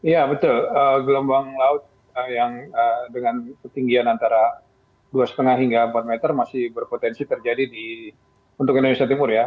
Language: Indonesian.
ya betul gelombang laut yang dengan ketinggian antara dua lima hingga empat meter masih berpotensi terjadi untuk indonesia timur ya